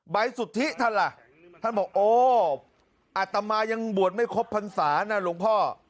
สุทธิท่านล่ะท่านบอกโอ้อัตมายังบวชไม่ครบพรรษานะหลวงพ่อ